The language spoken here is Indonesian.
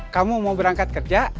kamu mau berangkat kerja